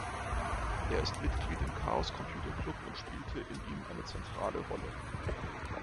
Er ist Mitglied im Chaos Computer Club und spielte in ihm eine zentrale Rolle.